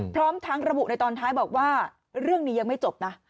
พร้อมทั้งระบุในตอนท้ายบอกว่าเรื่องนี้ยังไม่จบนะ